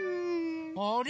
あれ？